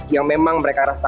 yang memang mereka rasakan